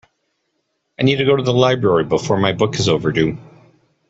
I need to go to the library before my book is overdue.